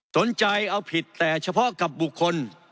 สนใจเอาผิดแต่เฉพาะกับบุคคล